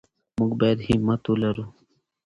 موږ باید همت ولرو.